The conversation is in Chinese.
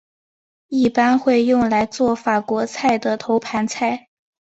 一般会用来作法国菜的头盘菜。